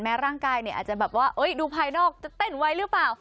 แม้ร่างกายอาจจะแบบว่าดูภายนอกจะเต้นไว้รึเปล่า